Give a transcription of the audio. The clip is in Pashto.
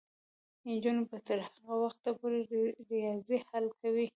نجونې به تر هغه وخته پورې ریاضي حل کوي.